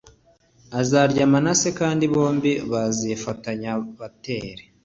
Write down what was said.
Azarya manase kandi bombi bazifatanya batere